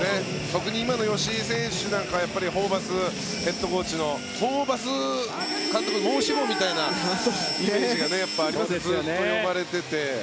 今の吉井選手なんかはホーバスヘッドコーチのホーバス監督申し子みたいなイメージがずっと呼ばれていて。